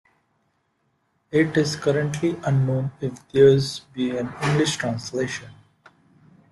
It is currently unknown if there will be an English translation.